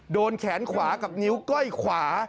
โดนแขนขวากับนิ้วก้อยขวา